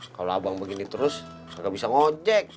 kalau abang begini terus saya gak bisa ngojek